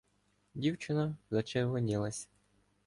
Дівчина зачервонілася.